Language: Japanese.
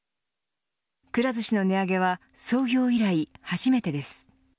くら寿司の値上げは創業以来初めてです。